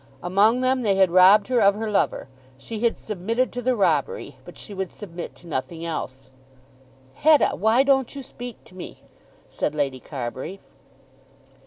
Among them they had robbed her of her lover. She had submitted to the robbery, but she would submit to nothing else. "Hetta, why don't you speak to me?" said Lady Carbury.